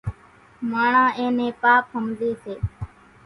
ماڻۿان اين نين پاپ ۿمزي سي۔